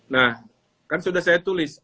nah kan sudah saya tulis